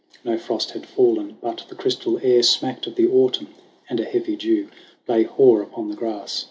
No frost had fallen, but the crystal air Smacked of the autumn, and a heavy dew Lay hoar upon the grass.